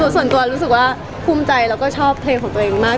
ส่วนตัวรู้สึกว่าภูมิใจแล้วก็ชอบเพลงของตัวเองมาก